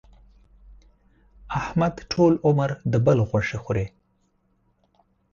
احمد ټول عمر د بل غوښې خوري.